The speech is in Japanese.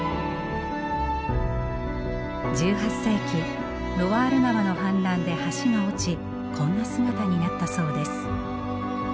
１８世紀ロワール川の氾濫で橋が落ちこんな姿になったそうです。